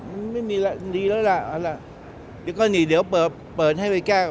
มันไม่มีนี่เลยแหละก็นี่เดี๋ยวเปิดให้ไปแก้